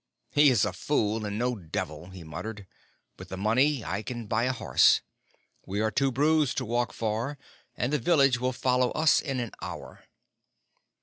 "He is a fool, and no devil," he muttered. "With the money I can buy a horse. We are too bruised to walk far, and the village will follow us in an hour."